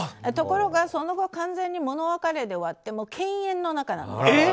ところが、その後、完全に物別れで終わって犬猿の仲なんです。